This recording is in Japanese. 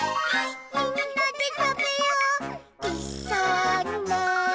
「みんなでたべよういっしょにね」